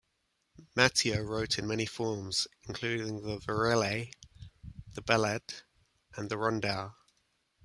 Matteo wrote in many forms, including the "virelai," the "ballade," and the "rondeau.